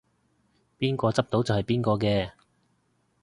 邊個執到就係邊個嘅